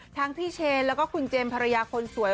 ทั้งที่เชนและคุณเจมส์ภรรยาคนสวย